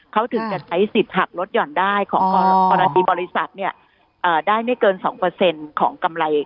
เขาถึงจะใช้สิทธิ์หักรถหย่อนได้ของกรณีการบริษัทเนี่ยได้ไม่เกินสองเปอร์เซ็นต์ของกำไร